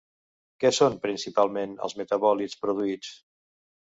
Què són principalment els metabòlits produïts?